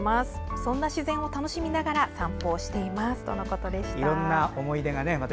そんな自然を楽しみながら散歩をしていますとのことでした。